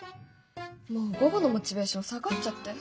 もう午後のモチベーション下がっちゃって。